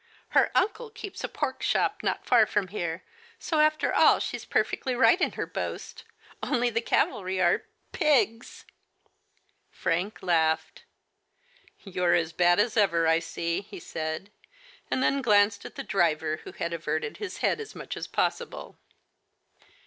Her uncle keeps a pork shop not far from here, so after all she's perfectly right in her boast, only the cavalry are — Pigs !" Frank laughed. " You are as bad as ever, I see," he said, and then glanced at the driver, who had averted his head as much as possible.